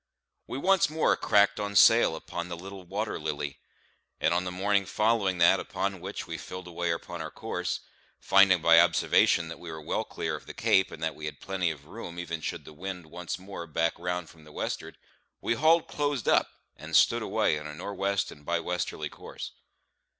We once more cracked on sail upon the little Water Lily; and on the morning following that upon which we filled away upon our course, finding by observation that we were well clear of the Cape, and that we had plenty of room even should the wind once more back round from the westward, we hauled close up, and stood away on a nor' west and by westerly course.